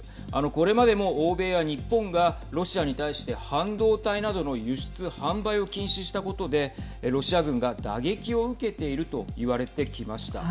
これまでも、欧米や日本がロシアに対して半導体などの輸出・販売を禁止したことでロシア軍が打撃を受けているといわれてきました。